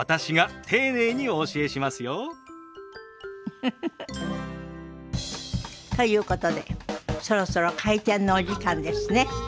ウフフフ。ということでそろそろ開店のお時間ですね。